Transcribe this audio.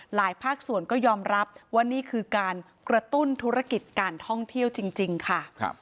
ภาคส่วนก็ยอมรับว่านี่คือการกระตุ้นธุรกิจการท่องเที่ยวจริงค่ะ